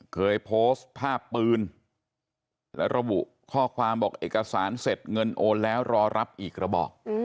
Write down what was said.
เคยโพสต์ภาพปืนและระบุข้อความบอกเอกสารเสร็จเงินโอนแล้วรอรับอีกระบอก